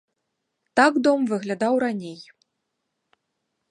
Так дом выглядаў раней.